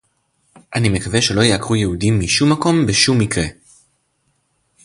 אני מקווה שלא יעקרו יהודים משום מקום בשום מקרה